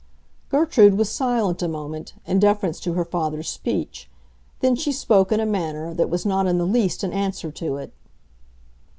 Gertrude was silent a moment, in deference to her father's speech; then she spoke in a manner that was not in the least an answer to it.